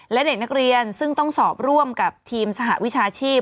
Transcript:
และเด็กนักเรียนซึ่งต้องสอบร่วมกับทีมสหวิชาชีพ